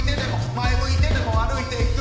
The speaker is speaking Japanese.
前向いてでも歩いていく